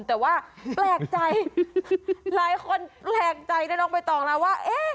แต่ว่าแปลกใจหลายคนแปลกใจนะน้องใบตองนะว่า